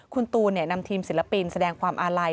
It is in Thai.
คุณตูนนำทีมศิลปินแสดงความอาลัย